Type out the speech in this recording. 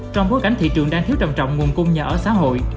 trong bối cảnh thị trường đang thiếu trầm trọng nguồn cung nhà ở xã hội